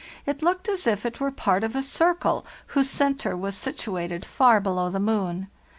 It looked as if it were part of a circle whose centre was situated far below the moon.